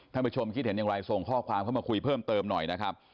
ท่านผู้ชมคิดเห็นอย่างไรส่งข้อความเข้ามาคุยเพิ่มเติมหน่อยนะครับ